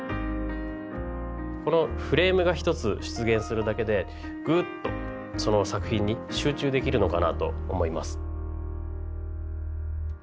このフレームが一つ出現するだけでぐっとその作品に集中できるのかなと思います。